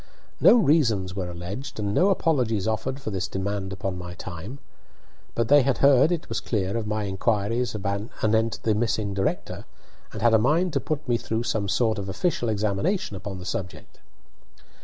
No reasons were alleged and no apologies offered for this demand upon my time, but they had heard, it was clear, of my inquiries anent the missing director, and had a mind to put me through some sort of official examination upon the subject.